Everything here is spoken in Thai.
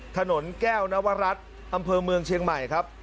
ถนนแก้วนวรัฐอำเภอเมืองเชียงใหม่ครับ